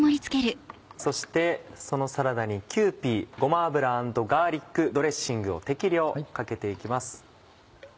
そしてそのサラダに「キユーピーごま油＆ガーリックドレッシング」を適量かけて行きます。